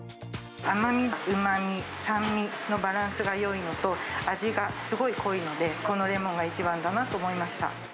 甘み、うまみ、酸味のバランスがよいのと、味がすごい濃いので、このレモンが一番だなと思いました。